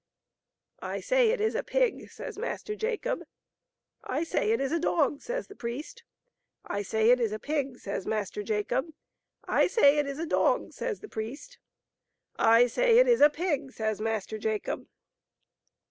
" I say it is a pig !" says Master Jacob. " I say it is a dog ! says the priest. " I say it is a pig ! says Master Jacob. " I say it is a dog ! says the priest. " I say it is a pig !" says Master Jacob.